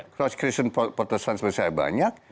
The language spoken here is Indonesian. cross christian protestant sebagainya banyak